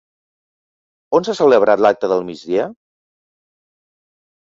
On s'ha celebrat l'acte del migdia?